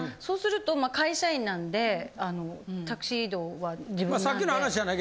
そうすると会社員なんでタクシー移動は自分なんで。